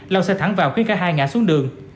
lao xe thẳng vào khiến cả hai ngã xuống đường